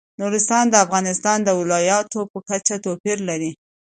نورستان د افغانستان د ولایاتو په کچه توپیر لري.